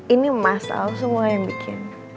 ini emas al semua yang bikin